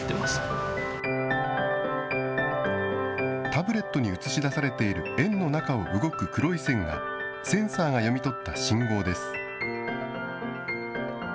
タブレットに映し出されている円の中を動く黒い線が、センサーが読み取った信号です。